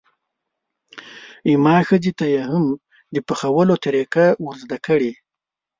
زما ښځې ته یې هم د پخولو طریقه ور زده کړئ.